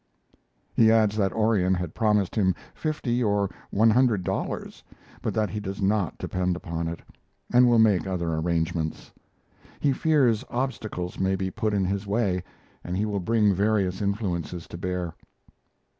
He adds that Orion had promised him fifty or one hundred dollars, but that he does not depend upon it, and will make other arrangements. He fears obstacles may be put in his way, and he will bring various influences to bear.